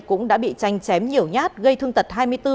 cũng đã bị tranh chém nhiều nhát gây thương tật hai mươi bốn